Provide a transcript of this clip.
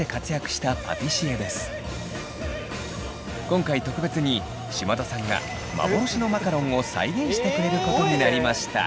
今回特別に島田さんが幻のマカロンを再現してくれることになりました。